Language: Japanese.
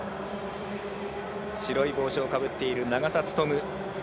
白い帽子をかぶっている永田務。